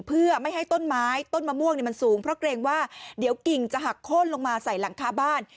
เพื่อไม่ให้ต้นไม้ต้นมะม่วงมันสูงเพราะเกรงว่าเดี๋ยวกิ่งจะหักโค้นลงมาใส่หลังคาบ้าน